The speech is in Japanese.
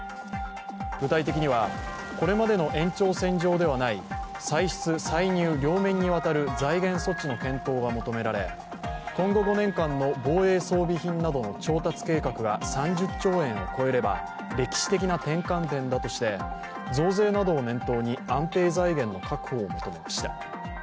具体的にはこれまでの延長線上ではない歳出・歳入両面にわたる財源措置の検討が求められ、今後５年間の防衛装備品などの調達計画が３０兆円を超えれば、歴史的な転換点だとして増税などを念頭に安定財源の確保を求めました。